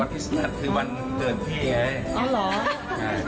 วันคริสต์มัสคือวันเกิดพี่ไง